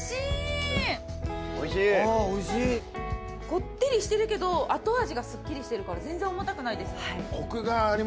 こってりしてるけど後味がスッキリしてるから全然重たくないですね。